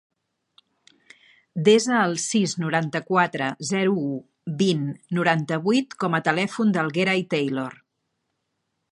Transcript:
Desa el sis, noranta-quatre, zero, u, vint, noranta-vuit com a telèfon del Gerai Taylor.